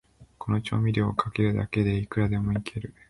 この調味料をかけるだけで、いくらでもイケる